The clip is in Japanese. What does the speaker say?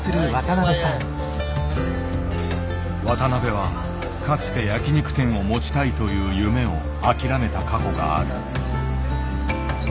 渡辺はかつて焼き肉店を持ちたいという夢を諦めた過去がある。